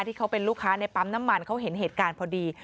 ที่เขาเป็นลูกค้าในปั๊มน้ำมันเขาเห็นเหตุการณ์พอดี